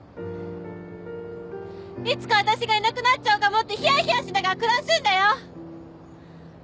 いつか私がいなくなっちゃうかもって冷や冷やしながら暮らすんだよ。